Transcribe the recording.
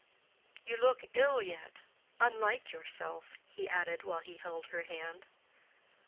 "You look ill yet—unlike yourself," he added, while he held her hand.